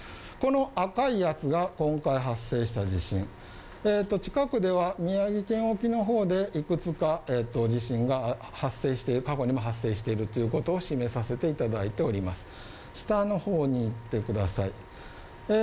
この赤いやつが、今回発生した地震近くでは、宮城県沖の方でいくつか地震が過去にも発生しているということを示させていただいております。